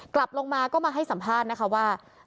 กลับลงมาก็มาให้สัมภาษณ์นะคะว่า